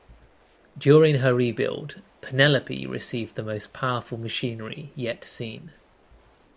During her rebuild "Penelope" received the most powerful machinery yet seen.